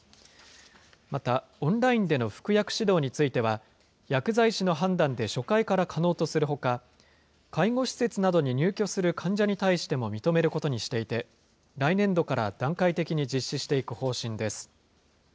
また、オンラインでの服薬指導については、薬剤師の判断で初回から可能とするほか、介護施設などに入居する患者に対しても認めることにしていて、来年度から段階的に実施していく方針です。